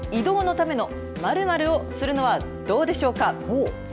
車を○○して移動のための○○をするのはどうでしょうか。